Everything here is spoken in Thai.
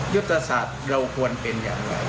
ยุทธศาสตร์เราควรเป็นอย่างไร